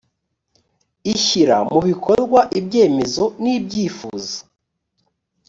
ishyira mu bikorwa ibyemezo n ibyifuzo